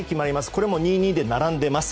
これも２−２で並んでいます。